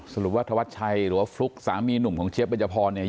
สรุปว่าธวัดชัยหรือว่าฟลุ๊กสามีหนุ่มของเจี๊ยบเบญจพรเนี่ย